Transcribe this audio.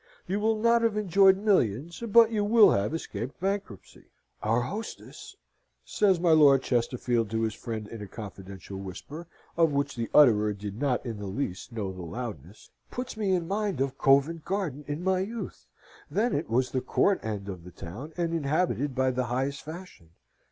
You will not have enjoyed millions, but you will have escaped bankruptcy. "Our hostess," said my Lord Chesterfield to his friend in a confidential whisper, of which the utterer did not in the least know the loudness, "puts me in mind of Covent Garden in my youth. Then it was the court end of the town, and inhabited by the highest fashion.